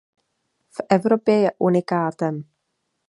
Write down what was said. V Evropě je unikátem.